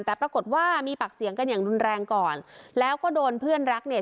แต่ปรากฏว่ามีปากเสียงกันอย่างรุนแรงก่อนแล้วก็โดนเพื่อนรักเนี่ย